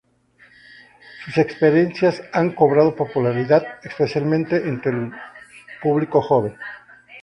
Sus experiencias han cobrado popularidad, especialmente entre el público joven.